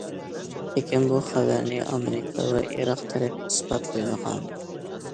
لېكىن بۇ خەۋەرنى ئامېرىكا ۋە ئىراق تەرەپ ئىسپاتلىمىغان.